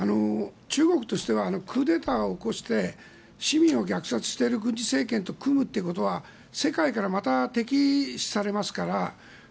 中国としてはクーデターを起こして市民を虐殺している軍事政権と組むということは世界からまた敵視されますから。